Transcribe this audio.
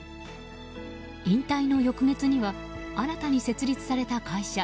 引退の翌月には新たに設立された会社